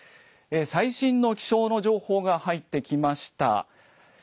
最新の気象の情報が入ってきました。